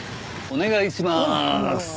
お願いしまーす。